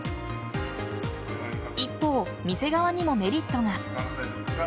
一方、店側にもメリットが。